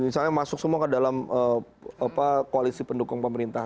misalnya masuk semua ke dalam koalisi pendukung pemerintah